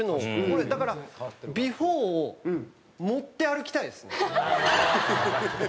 これだからビフォーを持って歩きたいですね。